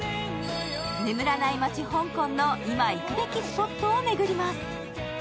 眠らない街・香港の今行くべきスポットを巡ります。